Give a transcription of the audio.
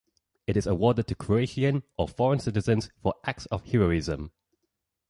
It is awarded to Croatian or foreign citizens for acts of heroism.